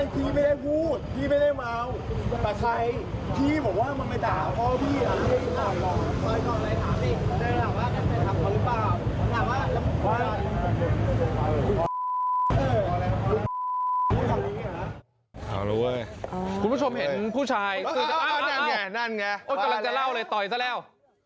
คุณผู้ชมเห็นผู้ชายเกิดแป่ด้านแนะไงต่อกำลังจะเล่าเลยแป็นแท้เร็ว